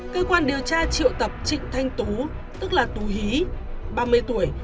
cơ quan điều tra triệu tập trịnh thanh tú tức là tú hí ba mươi tuổi